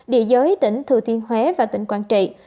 địa giới tỉnh thư thiên huế và tỉnh quang trị